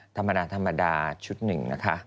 ธรรมดาชุดหนึ่งนะคะ